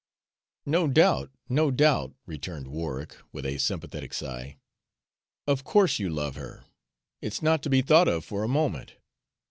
"No doubt no doubt," returned Warwick, with a sympathetic sigh; "of course you love her. It's not to be thought of for a moment.